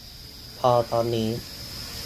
พอตอนนี้